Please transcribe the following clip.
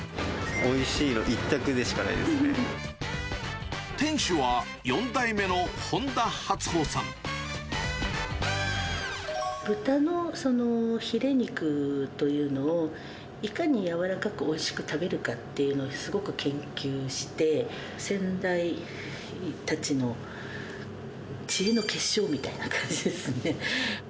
おいしいの一択でしかないで店主は、豚のひれ肉というのを、いかに柔らかくおいしく食べるかというのをすごく研究して、先代たちの知恵の結晶みたいな感じですね。